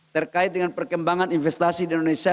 terkait dengan perkembangan investasi di indonesia